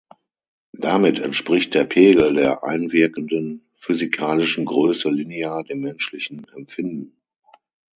Damit entspricht der Pegel der einwirkenden physikalischen Größe linear dem menschlichen Empfinden.